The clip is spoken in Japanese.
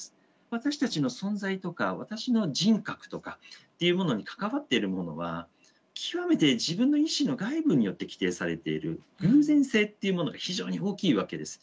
私たちの存在とか私の人格とかっていうものに関わっているものは極めて自分の意思の外部によって規定されている偶然性っていうものが非常に大きいわけです。